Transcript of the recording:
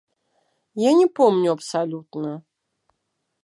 Я не помню абсалютна.